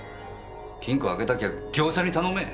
金庫開けたきゃ業者に頼め。